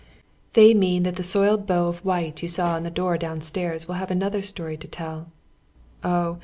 They mean that the soiled bow of white you saw on the door down stairs will have another stoiy to tell — Oh